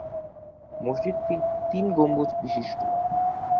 মসজিদটি তিন গম্বুজ বিশিষ্ট।